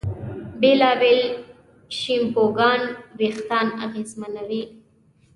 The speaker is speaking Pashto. بېلابېل شیمپوګان وېښتيان اغېزمنوي.